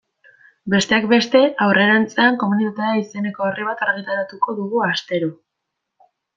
Besteak beste, aurrerantzean Komunitatea izeneko orri bat argitaratuko dugu astero.